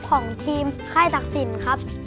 ของทีมค่ายตักศิลป์ครับ